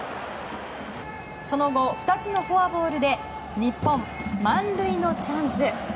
その後、２つのフォアボールで日本、満塁のチャンス。